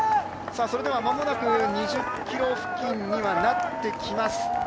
それでは間もなく２０ｋｍ付近にはなってきます。